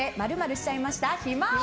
○しちゃいました暇王。